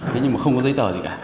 thế nhưng mà không có giấy tờ gì cả